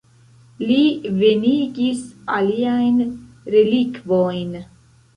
Li venigis aliajn relikvojn.